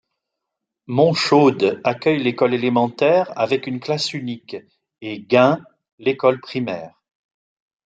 Montchaude accueille l'école élémentaire, avec une classe unique, et Guimps l'école primaire.